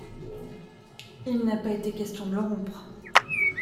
Il n’a pas été question de le rompre.